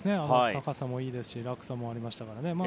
高さもいいですし落差もありましたから。